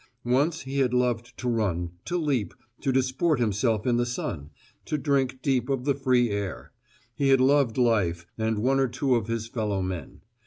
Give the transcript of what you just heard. Once he had loved to run, to leap, to disport himself in the sun, to drink deep of the free air; he had loved life and one or two of his fellowmen.